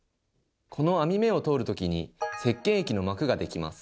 この網目を通る時にせっけん液の膜が出来ます。